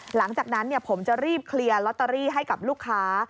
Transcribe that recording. หลังจากนั้นผมจะรีบเคลียร์ลอตเตอรี่ให้กับลูกค้า